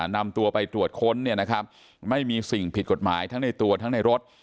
นำตัวไปตรวจค้นเนี่ยนะครับไม่มีสิ่งผิดกฎหมายทั้งในตัวทั้งในรถ